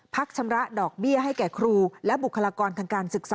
ชำระดอกเบี้ยให้แก่ครูและบุคลากรทางการศึกษา